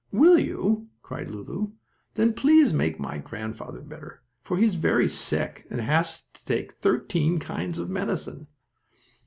"Will you?" cried Lulu. "Then please make my grandfather better, for he is very sick and has to take thirteen kinds of medicine."